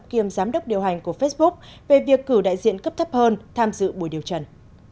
kiêm giám đốc điều hành của facebook về việc cử đại diện cấp thấp hơn tham dự buổi điều trần